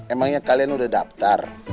emangnya kalian udah daftar